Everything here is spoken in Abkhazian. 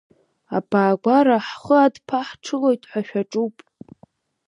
Абаагәара ҳхы адԥаҳҽылоит ҳәа шәаҿуп.